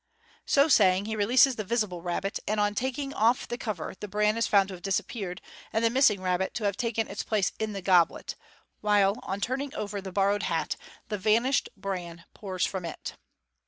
*' So saying, he releases the visible rabbit, and on taking off the cover the bran is found to have disappeared, and the missing rabbit to have taken its place in the goblet j while on turning o?er the borrowed hat the vanished bran pours from it.